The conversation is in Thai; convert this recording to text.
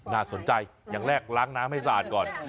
น่าสนใจอย่างแรกล้างน้ำให้สะอาดก่อน